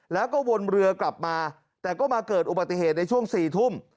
แล้วก็วนเรือกลับมาแต่ก็มาเกิดอุบัติเหตุในช่วง๔ทุ่ม